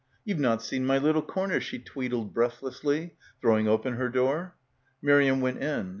"You've not seen my little corner," she twee died breathlessly, throwing open her door. Miriam went in.